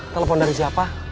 telepon dari siapa